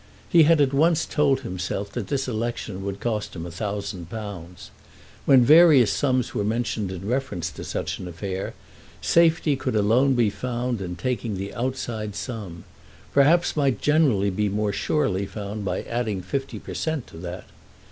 He had at once told himself that this election would cost him £1000. When various sums were mentioned in reference to such an affair, safety could alone be found in taking the outside sum; perhaps might generally be more surely found by adding fifty per cent. to that.